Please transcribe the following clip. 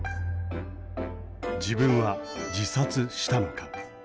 自分は自殺したのか。